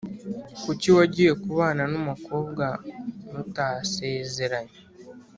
kuki wagiye kubana numukobwa mutasezeranye